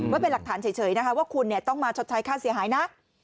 ไว้เป็นหลักฐานเฉยนะคะว่าคุณต้องมาชดใช้ค่าเสียหายนะ